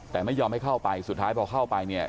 แต่ไม่ยอมให้เข้าไปสุดท้ายพอเข้าไปเนี่ย